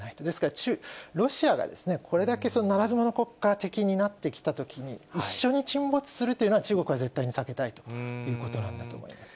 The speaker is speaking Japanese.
ですから、ロシアがこれだけならず者国家的になってきたときに、一緒に沈没するというのは、中国は絶対に避けたいということなんだと思い